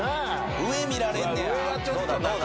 上見られんねやどうだ？